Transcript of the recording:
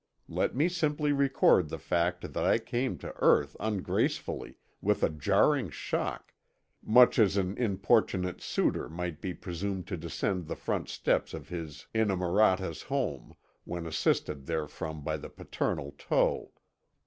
Let me simply record the fact that I came to earth ungracefully, with a jarring shock, much as an importunate suitor might be presumed to descend the front steps of his inamorata's home, when assisted therefrom by the paternal toe.